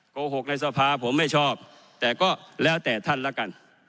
โกหกในสภาผมไม่ชอบแต่ก็แล้วแต่ท่านละกัน